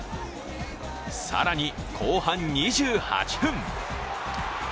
更に後半２８分。